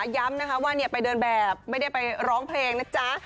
ย้ำนะคะว่าไปเดินแบบไม่ได้ไปร้องเพลงนะจ๊ะ